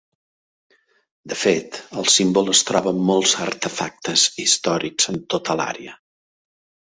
De fet, el símbol es troba en molts artefactes històrics en tota l'àrea.